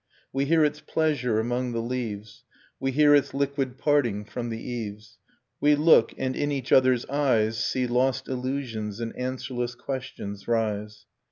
We hear its pleasure among the leaves, We hear its liquid parting from the eaves. We look, and in each other's eyes ' See lost illusions and answerless questions rise.